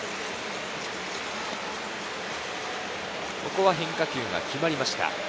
ここは変化球が決まりました。